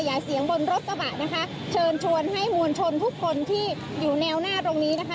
อย่าเสียงบนรถกระบะนะคะเชิญชวนให้มวลชนทุกคนที่อยู่แนวหน้าตรงนี้นะคะ